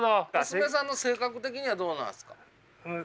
娘さんの性格的にはどうなんですか？